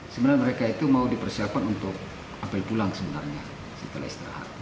sebenarnya mereka itu mau dipersiapkan untuk apel pulang sebenarnya setelah istirahat